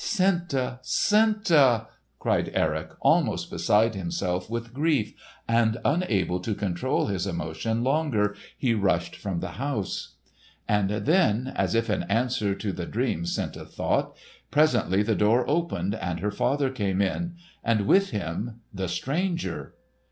"Senta, Senta!" cried Erik almost beside himself with grief; and unable to control his emotion longer he rushed from the house. And then—as if in answer to the dream, Senta thought—presently the door opened and her father came in, and with him—the stranger!